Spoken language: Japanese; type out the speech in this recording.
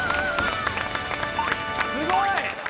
すごい！